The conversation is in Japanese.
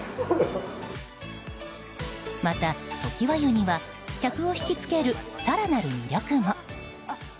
また、常盤湯には客を引き付ける更なる魅力も。